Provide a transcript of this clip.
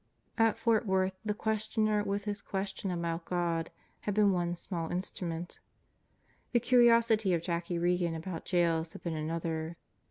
At Fort Worth the questioner with his question about God had been one small instrument. The curiosity of Jackie Regan about jails had been another.